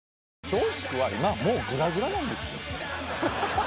松竹は今もうグラグラなんですよ。